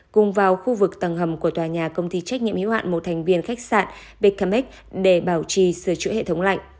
cùng vào khu vực tầng hầm của tòa nhà công ty trách nhiệm hiếu hạn một thành viên khách sạn bkmex để bảo trì sửa chữa hệ thống lạnh